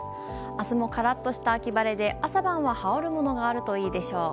明日もカラッとした秋晴れで朝晩は羽織るものがあるといいでしょう。